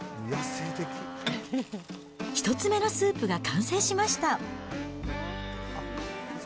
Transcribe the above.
１つ目のスープが完成しました。